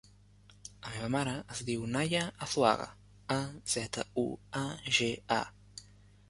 La meva mare es diu Naia Azuaga: a, zeta, u, a, ge, a.